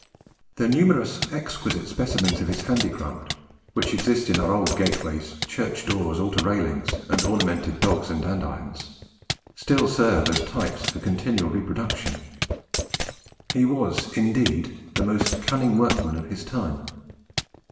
The numerous exquisite specimens of his handicraft which exist in our old gateways, church doors, altar railings, and ornamented dogs and andirons, still serve as types for continual reproduction. He was, indeed, the most "cunninge workman" of his time.